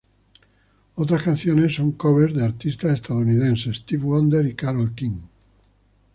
Otras canciones son covers de artistas estadounidenses, Stevie Wonder y Carole King.